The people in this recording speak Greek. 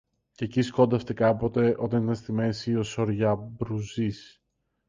Κι εκεί σκόνταφτε κάποτε, όταν ήταν στη μέση ο σιορ-Αμπρουζής